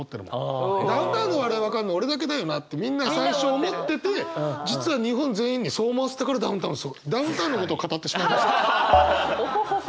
ダウンタウンのお笑い分かるの俺だけだよなってみんな最初思ってて実は日本全員にそう思わせたからダウンタウンすごいダウンタウンのこと語ってしまいました。